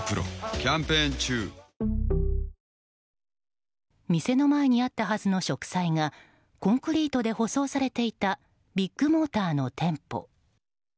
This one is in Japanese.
しみるごほうびだ店の前にあったはずの植栽がコンクリートで舗装されていたビッグモーターの店舗。